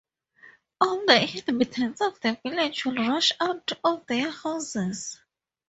All the inhabitants of the village will rush out of their houses.